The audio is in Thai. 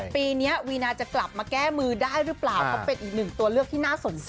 ปีนี้วีนาจะกลับมาแก้มือได้หรือเปล่าก็เป็นอีกหนึ่งตัวเลือกที่น่าสนใจ